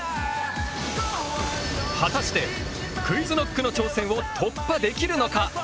果たしてＱｕｉｚＫｎｏｃｋの挑戦を突破できるのか！？